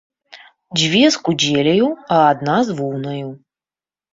Дзве з кудзеляю, а адна з воўнаю.